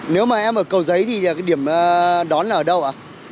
nếu mà em ở cầu giấy thì cái điểm đón là ở đâu ạ